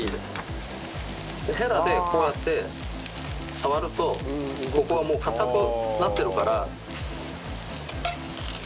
ヘラでこうやって触るとここはもう固くなってるから。